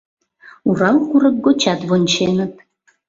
Урал курык гочат вонченыт.